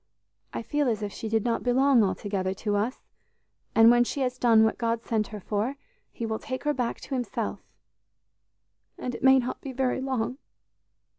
I feel as if she did not belong altogether to us, and when she has done what God sent her for, He will take her back to Himself and it may not be very long!"